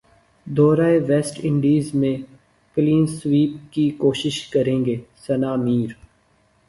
دورہ West Indies میں clean sweep کی کوشش کرینگے ثناء میر